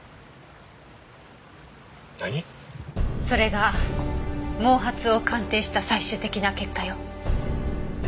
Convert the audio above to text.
それが毛髪を鑑定した最終的な結果よ。